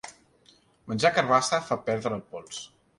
Menjar carabassa fa perdre el pols.